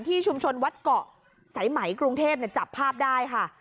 ชุมชนวัดเกาะสายไหมกรุงเทพจับภาพได้ค่ะ